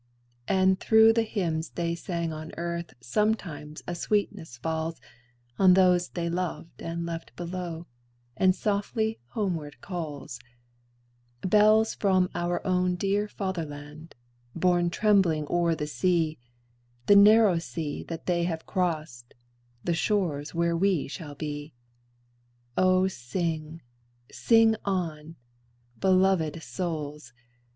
And through the hymns they sang on earth Sometimes a sweetness falls On those they loved and left below, And softly homeward calls, Bells from our own dear fatherland, Borne trembling o'er the sea, The narrow sea that they have crossed, The shores where we shall be. O sing, sing on, belovèd souls!